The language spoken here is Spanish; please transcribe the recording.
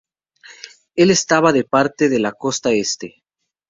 Él estaba de parte de la costa este.